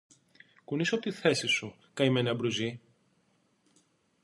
Κουνήσου από τη θέση σου, καημένε Αμπρουζή!